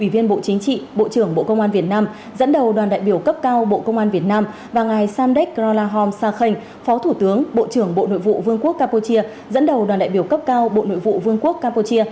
và các biện pháp